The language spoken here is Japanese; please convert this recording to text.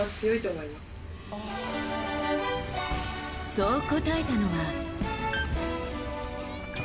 そう答えたのは。